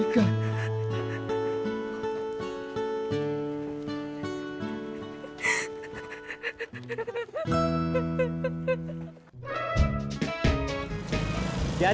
kamu gak kenapa napa kan